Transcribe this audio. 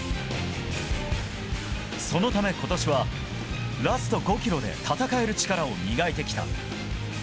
そのため、今年はラスト５ｋｍで戦える力を磨いてきた。